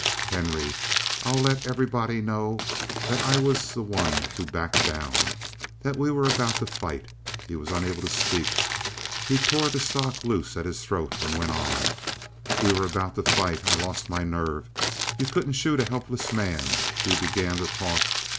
"Henry, I'll let everybody know that it was I who backed down. That we were about to fight." He was unable to speak; he tore the stock loose at his throat and went on: "We were about to fight; I lost my nerve; you couldn't shoot a helpless man. We began to talk.